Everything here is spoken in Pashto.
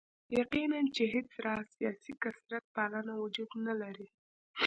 یقیناً چې هېڅ راز سیاسي کثرت پالنه وجود نه لري.